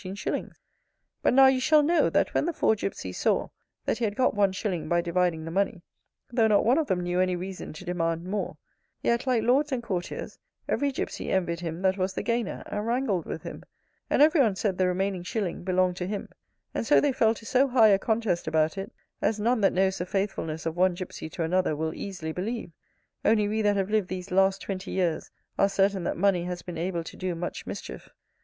19 0 But now you shall know, that when the four gypsies saw that he had got one shilling by dividing the money, though not one of them knew any reason to demand more, yet, like lords and courtiers, every gypsy envied him that was the gainer; and wrangled with him; and every one said the remaining shilling belonged to him; and so they fell to so high a contest about it, as none that knows the faithfulness of one gypsy to another will easily believe; only we that have lived these last twenty years are certain that money has been able to do much mischief.